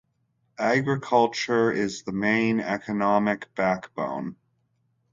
Agriculture is the main economic backbone.